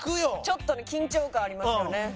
ちょっと緊張感ありますよね。